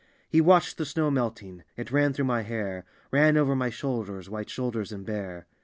He watch'd the snow melting, it ran through my hair, Ran over my shoulders, white shoulders and bare.